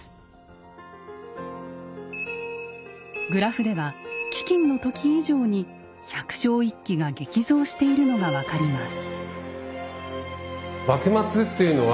グラフでは飢きんの時以上に百姓一揆が激増しているのが分かります。